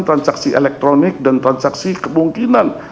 transaksi elektronik dan transaksi kemungkinan